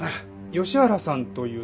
吉原さんというと？